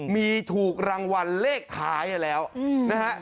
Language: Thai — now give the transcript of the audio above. มีถูกรางวัลเลขท้ายแล้วนะฮะ